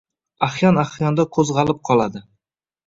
Ahyon-ahyonda qo‘zg‘alib qoladi.